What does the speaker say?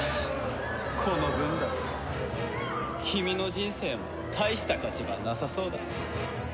この分だと君の人生も大した価値がなさそうだ。